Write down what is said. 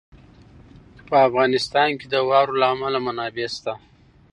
په افغانستان کې د واورو له امله منابع شته.